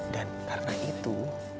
dan karena itu